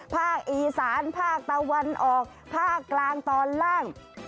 ภาคอีสานภาคตะวันออกภาคกลางตอนล่าง